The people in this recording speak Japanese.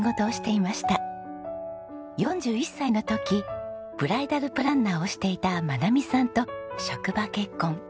４１歳の時ブライダルプランナーをしていた真奈美さんと職場結婚。